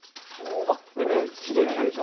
この緑すごいきれいでしょ。